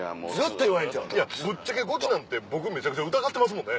ぶっちゃけゴチなんて僕めちゃめちゃ疑ってますもんね。